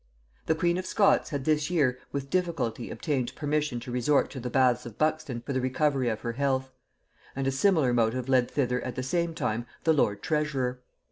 The queen of Scots had this year with difficulty obtained permission to resort to the baths of Buxton for the recovery of her health; and a similar motive led thither at the same time the lord treasurer.